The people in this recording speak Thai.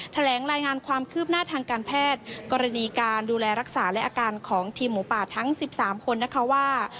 แถลงรายงานความคืบหน้าทางการแพทย์กรณีการดูแลรักษาและอาการของทีมหมูป่าทั้ง๑๓คนนะคะว่า